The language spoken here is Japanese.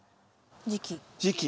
時期。